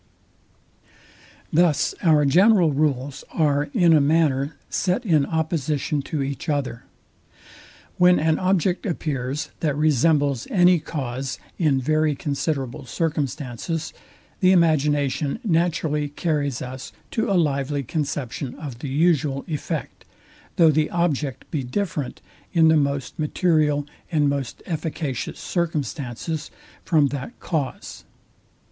Sect. 15. Thus our general rules are in a manner set in opposition to each other. When an object appears, that resembles any cause in very considerable circumstances, the imagination naturally carries us to a lively conception of the usual effect, Though the object be different in the most material and most efficacious circumstances from that cause.